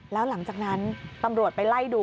แล้วหลังจากนั้นตำรวจไปไล่ดู